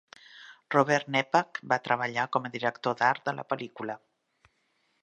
Robert Neppach va treballar com a director d'art de la pel·lícula.